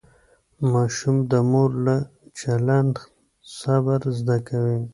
ماشوم د مور له چلند صبر زده کوي.